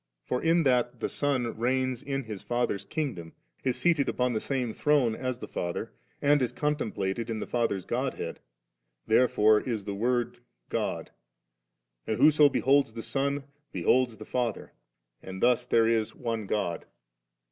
For in that the Son reigns in His Father's kingdom, is seated upon the same throne as the Father, and is contemplated in the Father's Godhead, therefore b the Word God, and whoso beholds the Son, beholds the Father; and thus there is one God.